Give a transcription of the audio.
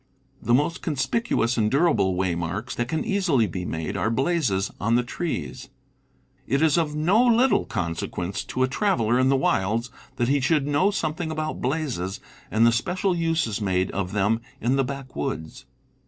The most con spicuous and durable waymarks that can easily be made are blazes on the trees. It is of no little conse quence to a traveler in the wilds that he should know something about blazes and the special uses made of them in the backwoods.